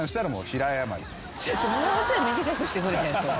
もうちょい短くしてくれへん？